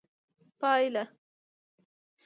پايله